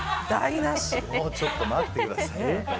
もうちょっと待ってくださいよ。